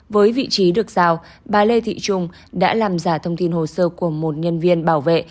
với vị trí được giao bà lê thị trung đã làm giả thông tin hồ sơ của một nhân viên bảo vệ